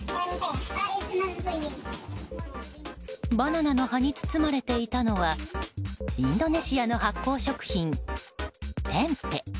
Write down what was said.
バナナの葉に包まれていたのはインドネシアの発酵食品、テンペ。